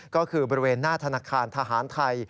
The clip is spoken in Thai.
ก็คือบริเวณหน้าธนาคารทหารไทย